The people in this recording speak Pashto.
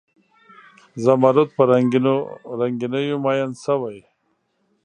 زمرود په رنګینیو میین شوي